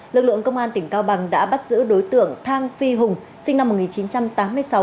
lực lượng công an tỉnh cao bằng đã bắt giữ đối tượng thang phi hùng sinh năm một nghìn chín trăm tám mươi sáu